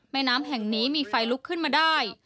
แม่น้ำแห่งนี้มีไฟลุกขึ้นมาได้